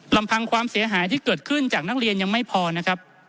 ลำพังความเสียหายที่เกิดขึ้นจากนักเรียนยังไม่พอนะครับ